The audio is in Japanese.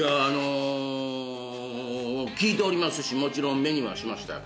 聞いておりますしもちろん目にはしましたよ